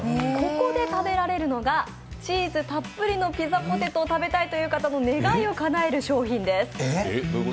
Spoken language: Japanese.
ここで食べられるのがチーズたっぷりのピザポテトを食べたいという方の願いをかなえる商品です。